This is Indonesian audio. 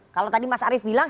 kalau tadi mas arief bilang